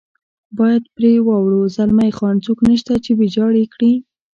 باید پرې واوړو، زلمی خان: څوک نشته چې ویجاړ یې کړي.